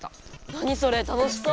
何それ楽しそう。